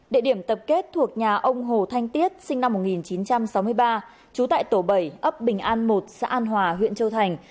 địa điểm tập kết thuộc nhà ông hồ thanh tiết sinh năm một nghìn chín trăm sáu mươi ba trú tại tổ bảy ấp bình an một xã an hòa huyện châu thành